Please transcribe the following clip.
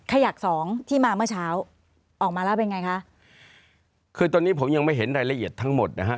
ขยักสองที่มาเมื่อเช้าออกมาแล้วเป็นไงคะคือตอนนี้ผมยังไม่เห็นรายละเอียดทั้งหมดนะฮะ